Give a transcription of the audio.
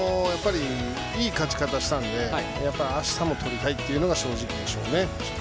いい勝ち方をしたのであしたもとりたいのが正直でしょうね。